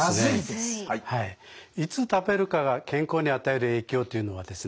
いつ食べるかが健康に与える影響というのはですね